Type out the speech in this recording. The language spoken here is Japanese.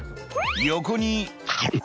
「横に」